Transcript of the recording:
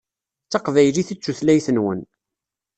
D taqbaylit i d tutlayt-nwen.